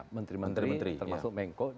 menteri menteri termasuk menko